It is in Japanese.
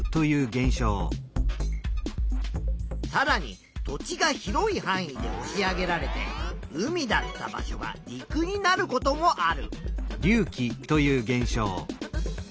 さらに土地が広いはん囲でおし上げられて海だった場所が陸になることもある。